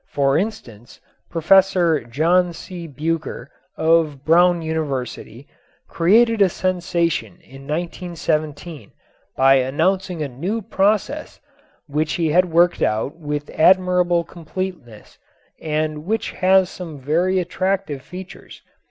For instance, Professor John C. Bucher, of Brown University, created a sensation in 1917 by announcing a new process which he had worked out with admirable completeness and which has some very attractive features.